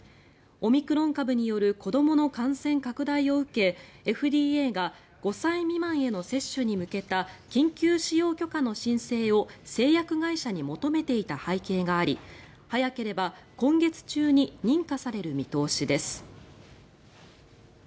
オミクロン株による子どもの感染拡大を受けＦＤＡが５歳未満への接種に向けた緊急使用許可の申請を製薬会社に求めていた背景があり早ければ今月中に認可される見通しです。